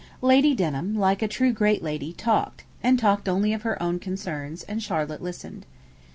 Lady Denham, like a true great lady, talked, and talked only of her own concerns, and Charlotte listened.